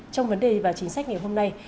trong vấn đề và chính sách ngày hôm nay